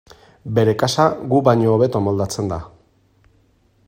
Bere kasa gu baino hobeto moldatzen da.